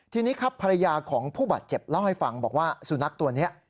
ทีนี้ครับภรรยาของผู้บาดเจ็บเล่าให้ฟังบอกว่าสุนัขตัวนี้